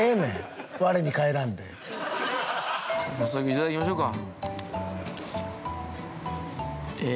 いただきましょうか。